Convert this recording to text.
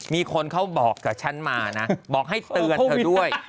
มีคนเขาบอกกับฉันมานะบอกให้เตือนเธอด้วย